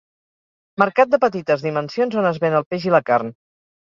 Mercat de petites dimensions on es ven el peix i la carn.